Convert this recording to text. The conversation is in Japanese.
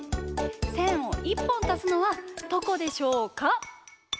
せんをいっぽんたすのはどこでしょうか？